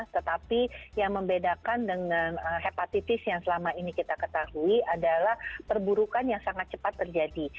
tetapi yang membedakan dengan hepatitis yang selama ini kita ketahui adalah perburukan yang sangat cepat terjadi